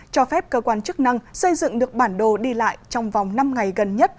cho phép cơ quan chức năng xây dựng được bản đồ đi lại trong vòng năm ngày gần nhất